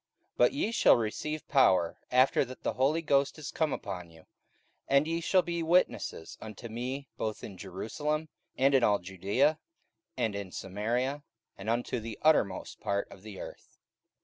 44:001:008 But ye shall receive power, after that the Holy Ghost is come upon you: and ye shall be witnesses unto me both in Jerusalem, and in all Judaea, and in Samaria, and unto the uttermost part of the earth.